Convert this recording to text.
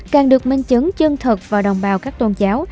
càng được minh chứng chân thật vào đồng bào các tôn giáo